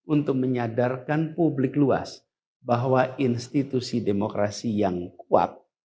untuk menyadarkan publik luas bahwa institusi demokrasi yang kuat